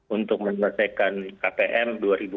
untuk mengetekkan kpm dua ribu dua puluh empat